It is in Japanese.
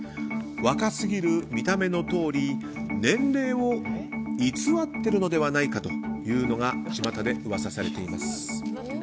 若すぎる見た目のとおり年齢を偽っているのではないかと巷で噂されています。